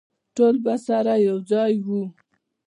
ټول به سره یوځای وو.